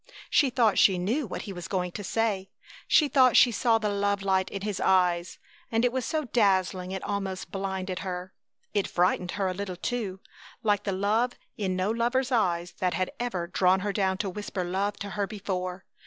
She thought she knew what he was going to say. She thought she saw the love light in his eyes, and it was so dazzling it almost blinded her. It frightened her a little, too, like the light in no lover's eyes that had ever drawn her down to whisper love to her before.